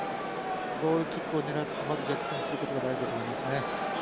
ゴールキックを狙ってまず逆転することが大事だと思いますね。